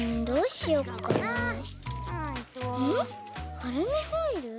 アルミホイル？